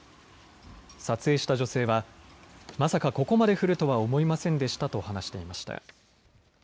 撮影した女性はまさかここまで降るとは思いませんでしたと話していました。